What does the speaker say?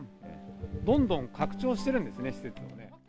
どんどん拡張してるんですね、施設。